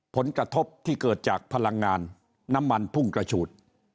ผลกระทบที่เกิดจากพลังงานน้ำมันพุ่งกระฉูด